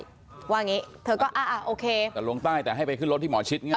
ว่าอย่างนี้เธอก็อ่าโอเคแต่ลงใต้แต่ให้ไปขึ้นรถที่หมอชิดไง